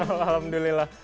lebih fleksibel alhamdulillah